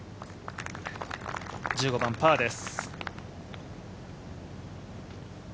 １５番パーです。